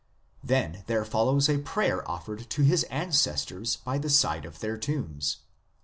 Then there follows a prayer offered to his ancestors by the side of their tombs.